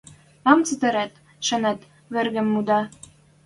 Мам цӹтӹрет? Шанет, выргем мӱдӓ?